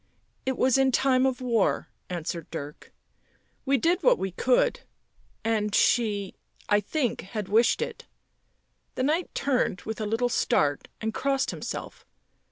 " It was in time of war," answered Dirk. " We did what we could — and she, I think, had wished it." The Knight turned with a little start and crossed himself.